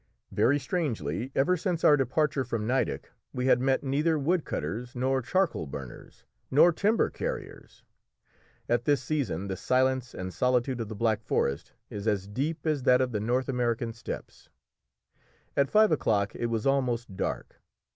Very strangely, ever since our departure from Nideck we had met neither wood cutters, nor charcoal burners, nor timber carriers. At this season the silence and solitude of the Black Forest is as deep as that of the North American steppes. At five o'clock it was almost dark.